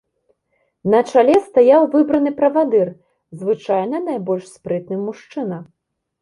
На чале стаяў выбраны правадыр, звычайна найбольш спрытны мужчына.